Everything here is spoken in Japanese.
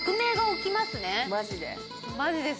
マジで？